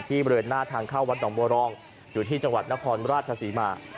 บริเวณหน้าทางเข้าวัดหนองบัวรองอยู่ที่จังหวัดนครราชศรีมา